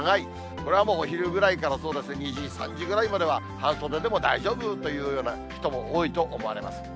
これはもうお昼ぐらいからそうですね、２時、３時ぐらいまでは、半袖でも大丈夫というような人も多いと思われます。